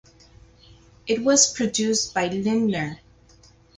It was produced by Lindner.